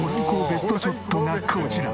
ベストショットがこちら。